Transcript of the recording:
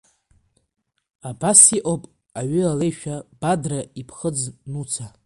Абас иҟоуп аҩы алеишәа, Бадра иԥхыӡ, Нуца…